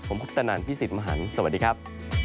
ผมคุปตนันพี่สิทธิ์มหันฯสวัสดีครับ